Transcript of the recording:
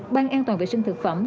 ban an toàn vệ sinh thực phẩm